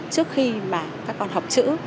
trước khi mà các con học chữ